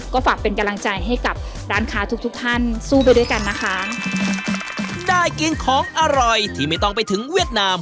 ก็ฝากเป็นกำลังใจให้กับร้านค้าทุกทุกท่านสู้ไปด้วยกันนะคะได้กินของอร่อยที่ไม่ต้องไปถึงเวียดนาม